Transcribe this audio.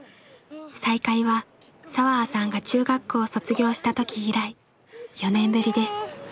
再会は彩葉さんが中学校を卒業した時以来４年ぶりです。